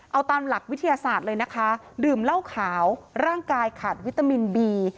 เอาตามหลักวิทยาศาสตร์เลยนะคะดื่มเหล้าขาวร่างกายขาดวิตามินบี